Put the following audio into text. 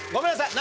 何？